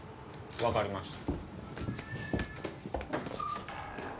わかりました。